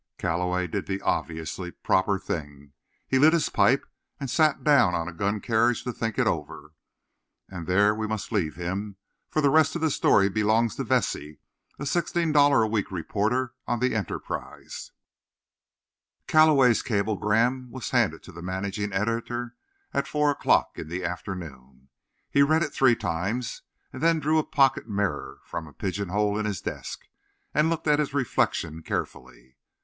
Calloway did the obviously proper thing. He lit his pipe and sat down on a gun carriage to think it over. And there we must leave him; for the rest of the story belongs to Vesey, a sixteen dollar a week reporter on the Enterprise. Calloway's cablegram was handed to the managing editor at four o'clock in the afternoon. He read it three times; and then drew a pocket mirror from a pigeon hole in his desk, and looked at his reflection carefully.